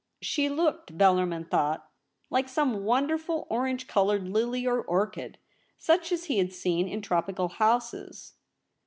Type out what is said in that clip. She looked, Bellarmin thought, like some wonder ful orange coloured Hly or orchid, such as he had seen in tropical houses.